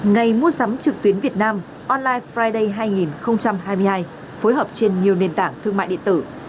ngày mua sắm trực tuyến việt nam online friday hai nghìn hai mươi hai phối hợp trên nhiều nền tảng thương mại điện tử